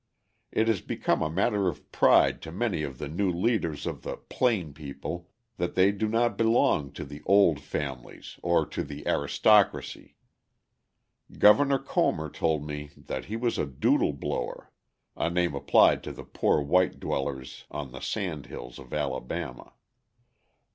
It has become a matter of pride to many of the new leaders of the "plain people" that they do not belong to the "old families" or to the "aristocracy." Governor Comer told me that he was a "doodle blower" a name applied to the poor white dwellers on the sand hills of Alabama.